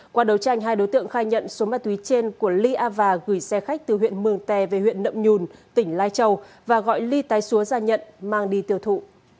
qua đấu tranh hai đối tượng khai nhận số ma túy trên của ly a và gửi xe khách từ huyện mường tè về huyện nậm nhùn tỉnh lai châu và gọi ly tái xúa ra nhận mang đi tiêu thụ